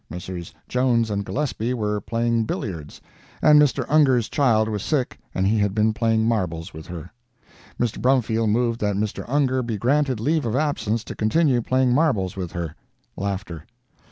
Messrs. Jones and Gillespie were playing billiards, and Mr. Ungar's child was sick and he had been playing marbles with her. Mr. Brumfield moved that Mr. Ungar be granted leave of absence to continue playing marbles with her. [Laughter.